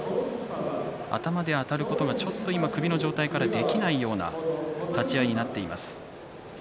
頭であたることが首の状態でちょっとできないような立ち合いになっています。